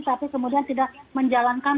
tapi kemudian tidak menjalankan